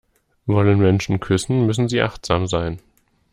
Wollen Menschen küssen, müssen sie achtsam sein.